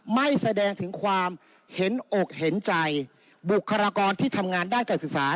ไม่แสดงถึงความเห็นอกเห็นใจบุคลากรที่ทำงานด้านการศึกษา